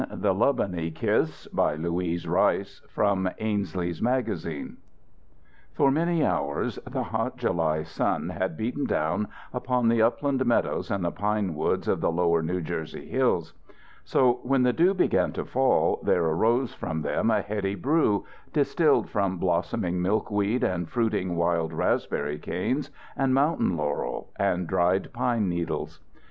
THE LUBBENY KISS BY LOUISE RICE From Ainslee's Magazine For many hours the hot July sun had beaten down upon the upland meadows and the pine woods of the lower New Jersey hills. So, when the dew began to fall, there arose from them a heady brew, distilled from blossoming milkweed and fruiting wild raspberry canes and mountain laurel and dried pine needles.